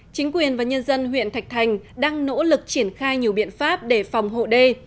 chính quyền và nhân dân huyện thạch thành đang nỗ lực triển khai nhiều biện pháp để phòng hộ đê